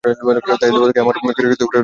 তাই দেবতাকে আমার গুরুর রূপেই দেখিতে পাইলাম।